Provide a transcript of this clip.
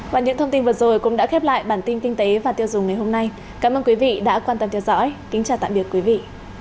và những thông tin vừa rồi cũng đã khép lại bản tin kinh tế và tiêu dùng ngày hôm nay cảm ơn quý vị đã quan tâm theo dõi kính chào tạm biệt quý vị